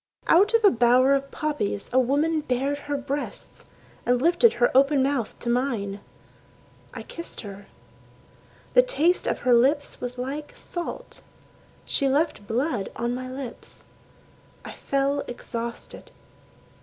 Out of a bower of poppies A woman bared her breasts and lifted her open mouth to mine. I kissed her. The taste of her lips was like salt. She left blood on my lips. I fell exhausted.